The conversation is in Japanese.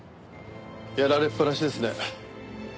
やられっぱなしですね。